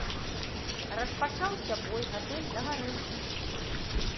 Распачаўся бой, гатэль загарэўся.